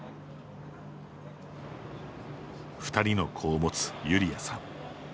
２人の子を持つユリアさん。